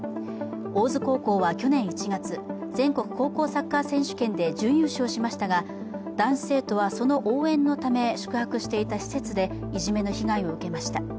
大津高校は去年１月、全国高校サッカー選手権で準優勝しましたが、男子生徒はその応援のため宿泊していた施設でいじめの被害を受けました。